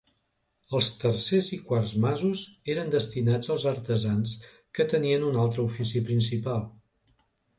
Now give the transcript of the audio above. Els tercers i quarts masos eren destinats als artesans que tenien un altre ofici principal.